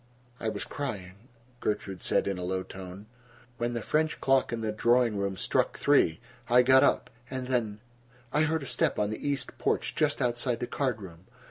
"I was crying," Gertrude said in a low tone. "When the French clock in the drawing room struck three, I got up, and then—I heard a step on the east porch, just outside the card room.